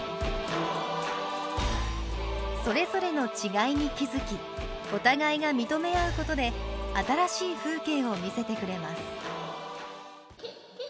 それぞれの違いに気付きお互いが認め合うことで新しい風景を見せてくれます。